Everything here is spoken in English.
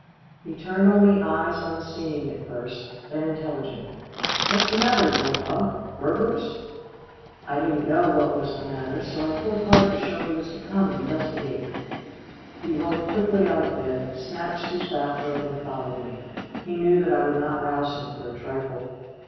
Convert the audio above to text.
He turned on me eyes unseeing at first, then intelligent. "What's the matter, Boy Dog burglars?" I didn't know what was the matter, so I pulled hard to show he was to come and investigate. He rolled quickly out of bed, snatched his bath robe and followed me. He knew that I would not rouse him for a trifle.